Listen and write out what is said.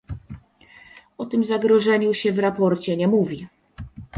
O tym zagrożeniu się w raporcie nie mówi